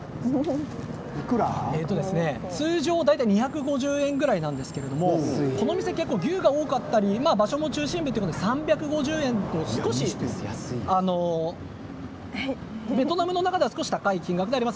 通常２５０円ぐらいなんですがこの店は結構牛が多かったり街の中心部なので３５０円とベトナムの中では少し高い金額です。